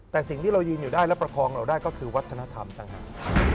แต่สิ่งที่เรายืนอยู่ได้และประคองเราได้ก็คือวัฒนธรรมทั้งนั้น